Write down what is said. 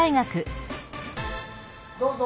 ・どうぞ！